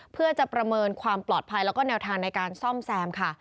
เพื่อจะประเมินความปลอดภัยแล้วก็แนวทางในการซ่อมแซมค่ะ